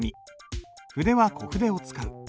筆は小筆を使う。